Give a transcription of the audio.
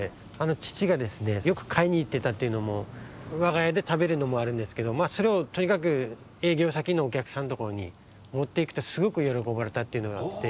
ちちがですねよくかいにいってたっていうのもわがやでたべるのもあるんですけどまあそれをとにかくえいぎょうさきのおきゃくさんのところにもっていくとすごくよろこばれたっていうのがあって。